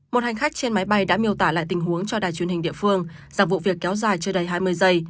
một hành khách trên máy bay đã miêu tả lại tình huống cho đài truyền hình địa phương rằng vụ việc kéo dài chưa đầy hai mươi giây